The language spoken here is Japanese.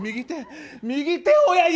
右手親指！